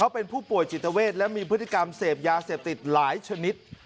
เป็นผู้ป่วยจิตเวทและมีพฤติกรรมเสพยาเสพติดหลายชนิด